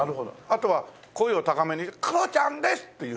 あとは声を高めに「クロちゃんです！」っていう。